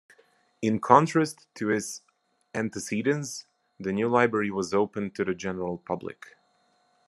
In contrast to its antecedents, the new library was open to the general public.